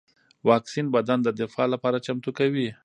واکسین بدن د دفاع لپاره چمتو کوي